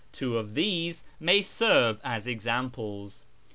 Two of these may fjerve as examples.